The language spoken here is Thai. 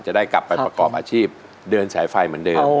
จะได้กลับไปประกอบอาชีพเดินสายไฟเหมือนเดิม